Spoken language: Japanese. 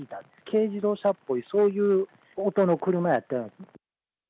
軽自動車っぽいそういう音の車やったような。